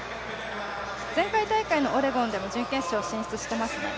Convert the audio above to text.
前回大会のオレゴンでも準決勝出場しています。